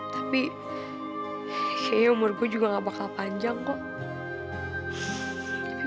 tapi kayaknya umur gue juga gak bakal panjang kok